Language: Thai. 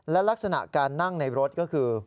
และลักษณะการนั่งในรถก็คือ